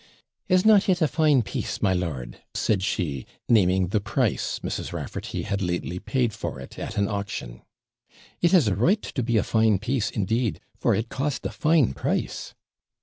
'Is not it a fine piece, my lord?' said she, naming the price Mrs. Raffarty had lately paid for it at an auction. 'It has a right to be a fine piece, indeed; for it cost a fine price!'